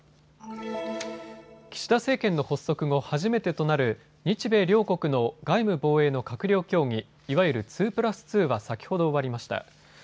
岸田政権の発足後、初めてとなる日米両国の外務・防衛の閣僚協議、いわゆる２プラス２は先ほど終わりました。